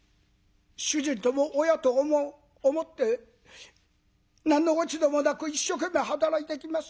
主人とも親とも思って何の落ち度もなく一生懸命働いてきました。